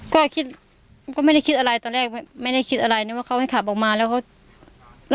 ก็คิดก็ไม่ได้คิดอะไรตอนแรกไม่ได้คิดอะไรนึกว่าเขาให้ขับออกมาแล้วเขา